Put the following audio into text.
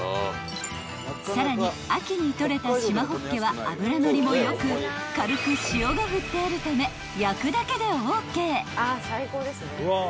［さらに秋に取れた縞ホッケは脂乗りも良く軽く塩が振ってあるため焼くだけでＯＫ］